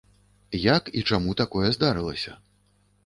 Як і чаму такое здарылася?